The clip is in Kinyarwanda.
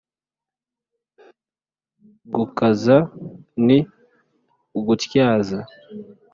Gukaza ni ugutyaza